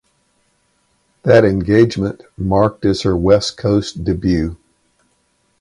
That engagement marked as her West Coast debut.